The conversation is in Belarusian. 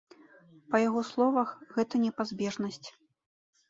Па яго словах, гэта непазбежнасць.